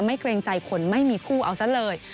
เกรงใจคนไม่มีคู่เอาซะเลย